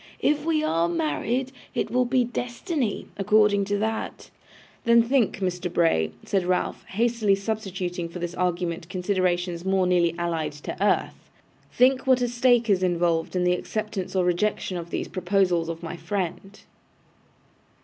'If we are married, it will be destiny, according to that.' 'Then think, Mr. Bray,' said Ralph, hastily substituting for this argument considerations more nearly allied to earth, 'think what a stake is involved in the acceptance or rejection of these proposals of my friend.